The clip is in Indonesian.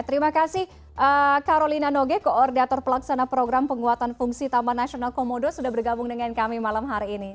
terima kasih karolina noge koordinator pelaksana program penguatan fungsi taman nasional komodo sudah bergabung dengan kami malam hari ini